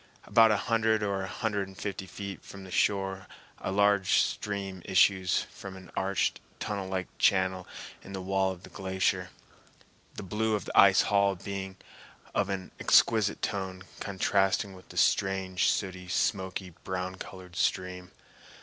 About a hundred or a hundred and fifty feet from the shore a large stream issues from an arched, tunnel like channel in the wall of the glacier, the blue of the ice hall being of an exquisite tone, contrasting with the strange, sooty, smoky, brown colored stream.